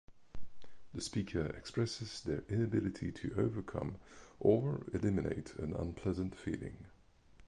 The speaker expresses their inability to overcome or eliminate an unpleasant feeling.